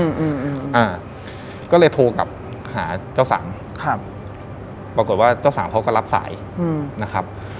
อืมอ่าก็เลยโทรกลับหาเจ้าสาวครับปรากฏว่าเจ้าสาวเขาก็รับสายอืมนะครับ